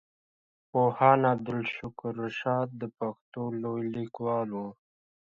پوهاند عبدالشکور رشاد د پښتو لوی ليکوال وو.